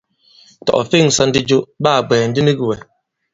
Tɔ̀ ɔ̀ fe᷇ŋsā ndi jo, ɓa kà bwɛ̀ɛ̀ ndi nik wɛ̀.